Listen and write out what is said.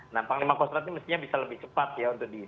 nah panglima kostrat ini mestinya bisa lebih cepat ya untuk di